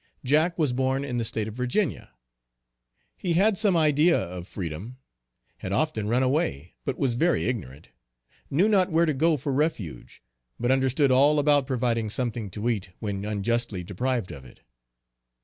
Jack was born in the State of Virginia. He had some idea of freedom; had often run away, but was very ignorant; knew not where to go for refuge; but understood all about providing something to eat when unjustly deprived of it.